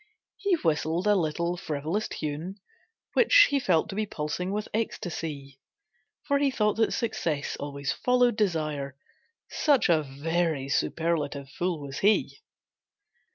He whistled a little frivolous tune Which he felt to be pulsing with ecstasy, For he thought that success always followed desire, Such a very superlative fool was he.